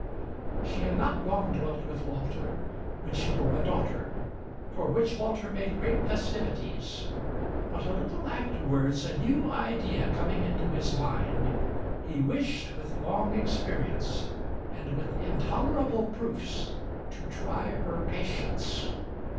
She had not long dwelt with Walter when she bore a daughter, for which Walter made great festivities; but a little afterwards, a new idea coming into his mind, he wished with long experience and with intolerable proofs to try her patience.